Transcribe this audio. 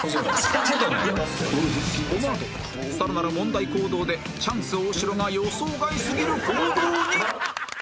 このあと更なる問題行動でチャンス大城が予想外すぎる行動に